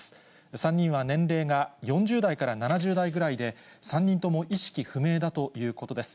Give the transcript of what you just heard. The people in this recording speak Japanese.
３人は年齢が４０代から７０代ぐらいで、３人とも意識不明だということです。